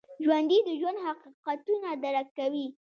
ژوندي د ژوند حقیقتونه درک کوي